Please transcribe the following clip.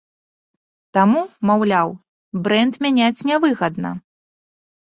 Таму, маўляў, брэнд мяняць нявыгадна.